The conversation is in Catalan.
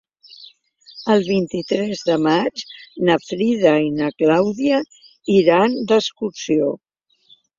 El vint-i-tres de maig na Frida i na Clàudia iran d'excursió.